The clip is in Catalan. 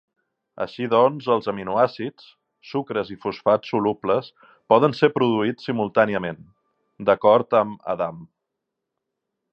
Així doncs els aminoàcids, sucres i fosfats solubles poden ser produïts simultàniament, d'acord amb Adam.